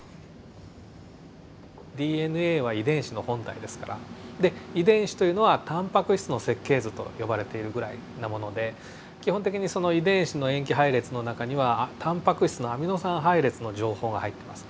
ＤＮＡは遺伝子の本体ですからで遺伝子というのはタンパク質の設計図と呼ばれているぐらいなもので基本的にその遺伝子の塩基配列の中にはタンパク質のアミノ酸配列の情報が入ってます。